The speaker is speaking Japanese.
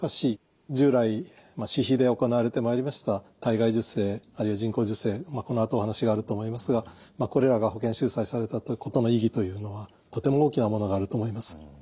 従来私費で行われてまいりました体外受精あるいは人工授精このあとお話があると思いますがこれらが保険収載されたことの意義というのはとても大きなものがあると思います。